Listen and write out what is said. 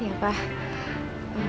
dina kamu boleh istirahat aja ya